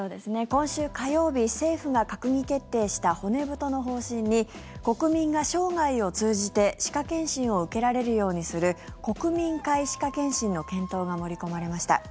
今週火曜日、政府が閣議決定した骨太の方針に国民が生涯を通じて歯科検診を受けられるようにする国民皆歯科健診の検討が盛り込まれました。